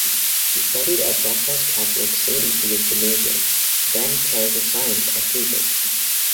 He studied at Breslau's Catholic St.-Matthias-Gymnasium, then Caritas Science at Freiburg.